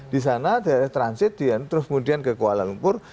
di sana dari transit terus kemudian kuala lumpur